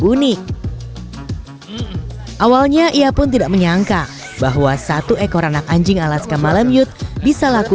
unik awalnya ia pun tidak menyangka bahwa satu ekor anak anjing alaska malam yute bisa laku